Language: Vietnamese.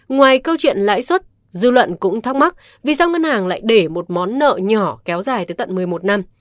ngoài câu chuyện lãi suất dư luận cũng thắc mắc vì sao ngân hàng lại để một món nợ nhỏ kéo dài tới tận một mươi một năm